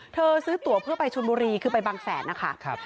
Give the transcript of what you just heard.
ซื้อตัวเพื่อไปชนบุรีคือไปบางแสนนะคะ